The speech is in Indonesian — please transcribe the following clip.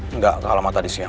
enggak kalah mata di siang